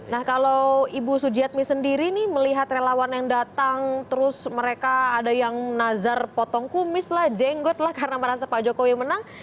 nah kalau ibu sujiatmi sendiri nih melihat relawan yang datang terus mereka ada yang nazar potong kumis lah jenggot lah karena merasa pak jokowi menang